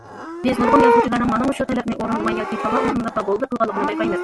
بىز نۇرغۇن يازغۇچىلارنىڭ مانا مۇشۇ تەلەپنى ئورۇندىماي ياكى چالا ئورۇنداپلا بولدى قىلغانلىقىنى بايقايمىز.